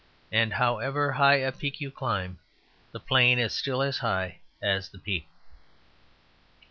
And however high a peak you climb, the plain is still as high as the peak.